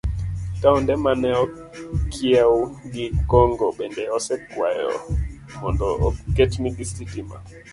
Taonde ma ne okiewo gi Congo bende osekwayo mondo oketnegi sitima.